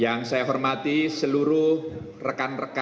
yang saya hormati seluruh rekan rekan